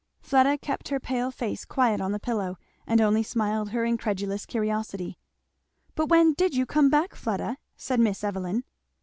Fleda kept her pale face quiet on the pillow, and only smiled her incredulous curiosity. "But when did you come back, Fleda?" said Miss Evelyn.